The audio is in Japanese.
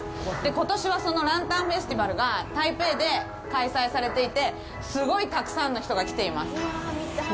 ことしはそのランタンフェスティバルが台北で開催されていて、すごいたくさんの人が来ています。